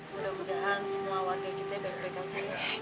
mudah mudahan semua warga kita baik baik saja